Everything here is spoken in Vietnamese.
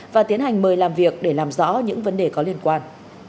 và tiến hành mời làm việc để làm rõ những vấn đề có liên quan